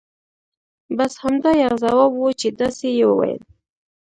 بس همدا یو ځواب وو چې داسې یې ویل.